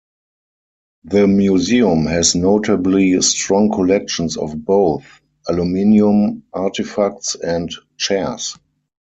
The museum has notably strong collections of both aluminum artifacts and chairs.